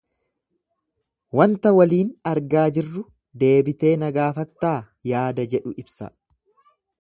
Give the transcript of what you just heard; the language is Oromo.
Wanta waliin argaa jirru deebitee na gaafattaa yaada jedhu ibsa.